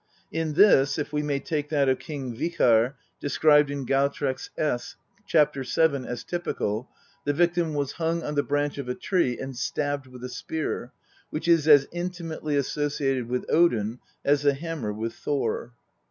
In this, if we may take that of King Vikar described in Gautreks S., c. 7, as typical, the victim was hung on the branch of a tree and stabbed with a spear, which is as intimately associated with Odin as the hammer with Thor.